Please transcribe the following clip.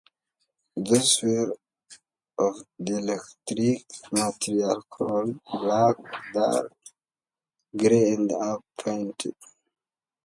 These were of dielectric material coloured black or dark grey and unpainted.